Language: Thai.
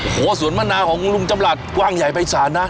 โหสวนมะนาของลุงจำระปว่างใหญ่ไปสานนะ